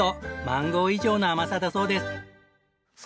マンゴー以上の甘さだそうです。